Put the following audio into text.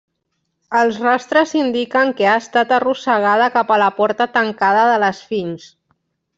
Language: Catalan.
Els rastres indiquen que ha estat arrossegada cap a la porta tancada de l'esfinx.